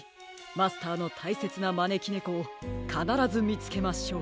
マスターのたいせつなまねきねこをかならずみつけましょう！